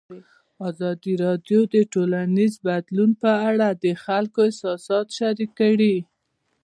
ازادي راډیو د ټولنیز بدلون په اړه د خلکو احساسات شریک کړي.